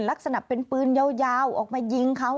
ลักษณะเป็นปืนยาวออกมายิงเขา